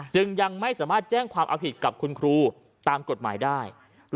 จึงยังไม่สามารถแจ้งความเอาผิดกับคุณครูตามกฎหมายได้